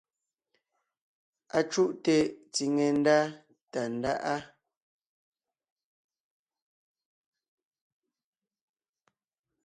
Acùʼte tsiŋe ndá Tàndáʼa.